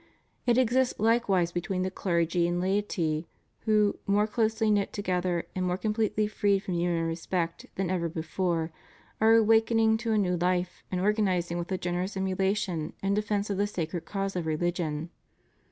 It exists like wise between the clergy and laity who, more closely knit together and more completely freed from human respect than ever before, are awakening to a new life and organ izing with a generous emulation in defence of the sacred cause of religion.